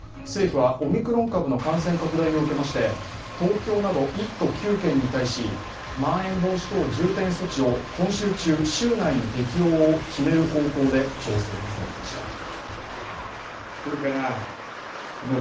政府はオミクロン株の感染拡大を受けまして東京など１都９県に対し、まん延防止等重点措置を今週中、週内に適用を決める方向で調整に入りました。